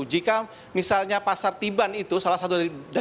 jika misalnya pasar tiban itu salah satu dari